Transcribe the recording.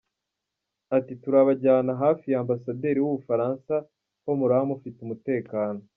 Ati ‘Turabajyana hafi ya Ambasaderi w’u Bufaransa, ho muraba mufite umutekano.